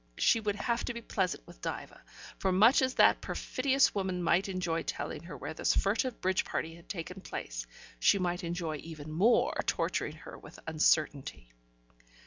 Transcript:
She would have to be pleasant with Diva, for much as that perfidious woman might enjoy telling her where this furtive bridge party had taken place, she might enjoy even more torturing her with uncertainty.